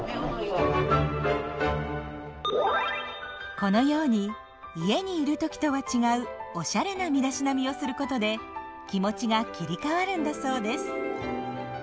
このように家にいる時とは違うおしゃれな身だしなみをすることで気持ちが切り替わるんだそうです。